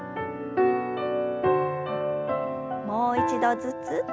もう一度ずつ。